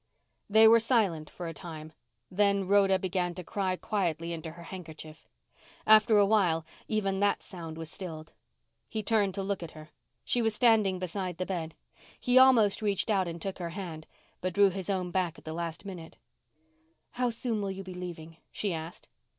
They were silent for a time, then Rhoda began to cry quietly into her handkerchief. After a while even that sound was stilled. He turned to look at her. She was standing beside the bed. He almost reached out and took her hand, but drew his own back at the last minute. "How soon will you be leaving?" she asked.